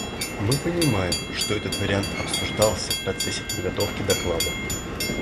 Мы понимаем, что этот вариант обсуждался в процессе подготовки доклада.